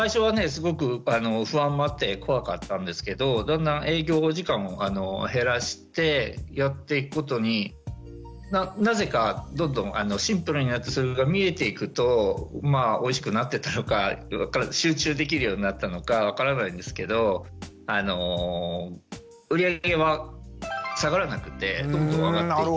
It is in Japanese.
すごく不安もあって怖かったんですけどだんだん営業時間も減らしてやっていくことになぜかどんどんシンプルになってそれが見えていくとまあおいしくなってったのか集中できるようになったのか分からないんですけど売り上げは下がらなくてどんどん上がっていって。